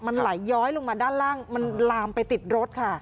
มันไหลย้อยลงมาด้านล่างมันลามไปติดรถค่ะ